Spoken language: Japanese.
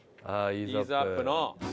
イーズアップの。